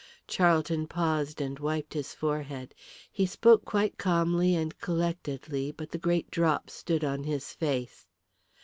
Charlton paused and wiped his forehead. He spoke quite calmly and collectedly, but the great drops stood on his face.